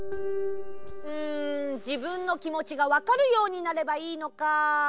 うんじぶんのきもちがわかるようになればいいのか。